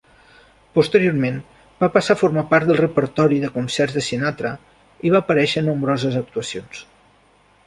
Posteriorment, va passar a formar part del repertori de concerts de Sinatra i va aparèixer a nombroses actuacions.